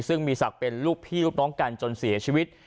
ซึ่งมีศักดิ์เป็นลูกพี่ลูกน้องกันจนเสียชีวิต